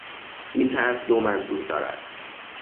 این طرح دو منظور دارد.